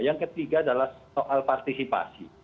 yang ketiga adalah soal partisipasi